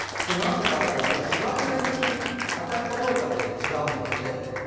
なんでかっていうと、紫外線に当たるかどうかで違うんですって。